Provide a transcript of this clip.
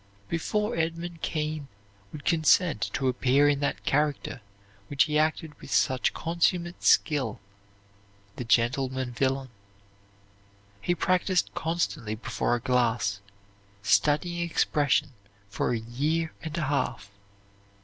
Before Edmund Kean would consent to appear in that character which he acted with such consummate skill, The Gentleman Villain, he practised constantly before a glass, studying expression for a year and a half.